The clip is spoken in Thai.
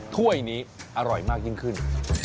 ถ้วยนี้อร่อยมากยิ่งขึ้น